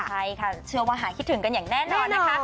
ใช่ค่ะเชื่อว่าหายคิดถึงกันอย่างแน่นอนนะคะ